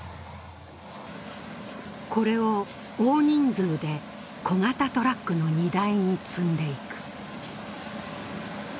これを大人数で小型トラックの荷台に積んでいく。